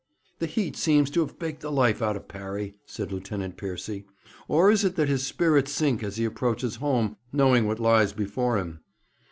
'The heat seems to have baked the life out of Parry,' said Lieutenant Piercy, 'or is it that his spirits sink as he approaches home, knowing what lies before him?'